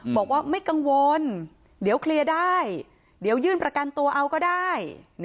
บอกว่าไม่กังวลเดี๋ยวเคลียร์ได้เดี๋ยวยื่นประกันตัวเอาก็ได้